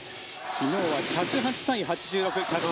昨日は１０８対８６。